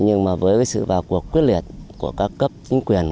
nhưng mà với sự vào cuộc quyết liệt của các cấp chính quyền